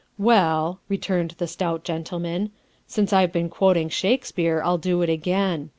" Well," returned the stout gentleman, " since I've been quoting Shakespeare, I'll do it again.